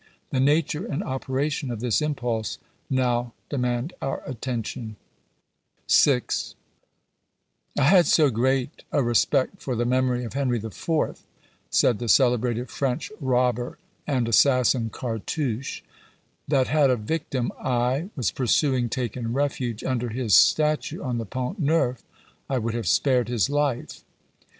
The nature and . operation of this impulse now demand our attention. e e 2 Digitized by VjOOQIC 420 GENERAL CONSIDERATIONS. § 6. " I had so great a respect for the memory of Henry IV.," said the celebrated French robber and assassin, Cartouche, "that had a victim I was pursuing taken refuge under his statue on the Pont Neuf, I would have spared his life."